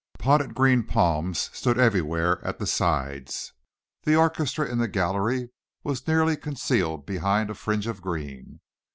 Potted green palms stood everywhere at the sides. The orchestra in the gallery was nearly concealed behind a fringe of green.